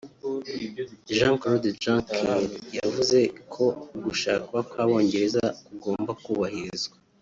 Jean-Claude Juncker yavuze ko ugushaka kw’Abongereza kugomba kubahirizwa